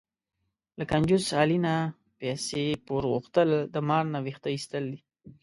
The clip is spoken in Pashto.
له کنجوس علي نه پیسې پور غوښتل، د مار نه وېښته ایستل دي.